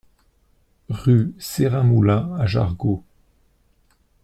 Rue Serin Moulin à Jargeau